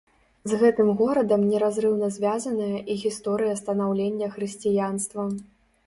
З гэтым горадам неразрыўна звязаная і гісторыя станаўлення хрысціянства.